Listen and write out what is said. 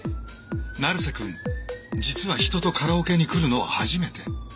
成瀬くん実は人とカラオケに来るのは初めて。